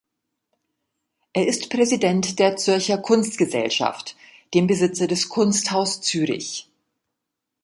Er ist Präsident der Zürcher Kunstgesellschaft, dem Besitzer des Kunsthaus Zürich.